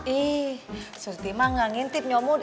ih surti mah gak ngintip nyomut